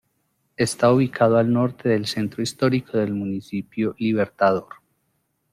Está ubicada al norte del centro histórico del Municipio Libertador.